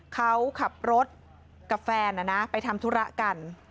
เขากรับรถกับแฟนแล้วนะ